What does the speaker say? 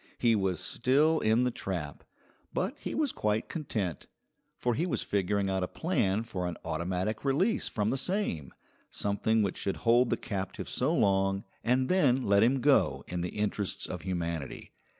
He was still in the trap, but he was quite content, for he was figuring out a plan for an automatic release from the same, something which should hold the captive so long and then let him go in the interests of humanity.